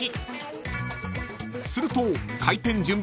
［すると］